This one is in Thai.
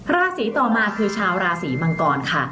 ราศีต่อมาคือชาวราศีมังกรค่ะ